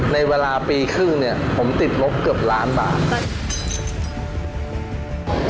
ในเวลาปีครึ่งเนี่ยผมติดงบเกือบล้านบาท